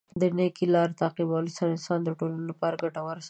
د نېکۍ لاره تعقیبولو سره انسان د ټولنې لپاره ګټور ثابت کیږي.